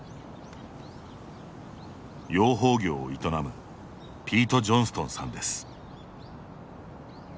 養蜂業を営むピート・ジョンストンさんです。